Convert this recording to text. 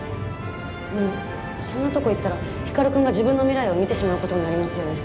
でもそんなとこ行ったら光くんが自分の未来を見てしまうことになりますよね？